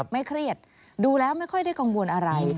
ไม่เครียดดูแล้วไม่ค่อยได้กังวลอะไร